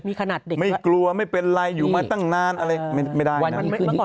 มีขนาดเด็กไม่กลัวไม่เป็นไรอยู่มาตั้งนานอะไรไม่ได้นะ